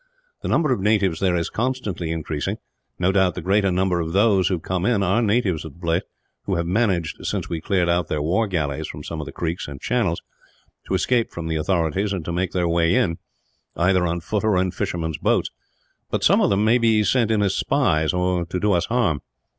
The number of natives there is constantly increasing. No doubt the greater number of those who come in are natives of the place, who have managed, since we cleared out their war galleys from some of the creeks and channels, to escape from the authorities and to make their way in, either on foot or in fishermen's boats; but some of them may be sent in as spies, or to do us harm.